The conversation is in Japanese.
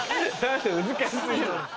難し過ぎる。